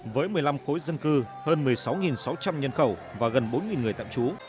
với một mươi năm khối dân cư hơn một mươi sáu sáu trăm linh nhân khẩu và gần bốn người tạm trú